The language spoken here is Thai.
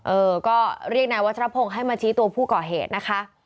เออก็เรียกนายวัชรพงศ์ให้มาชี้ตัวผู้ก่อเหตุนะคะ